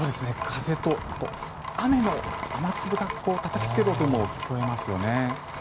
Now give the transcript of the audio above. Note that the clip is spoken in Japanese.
風と雨粒がたたきつける音も聞こえますよね。